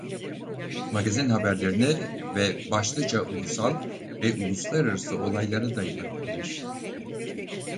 Magazin haberlerine ve başlıca ulusal ve uluslararası olaylara da yer verir.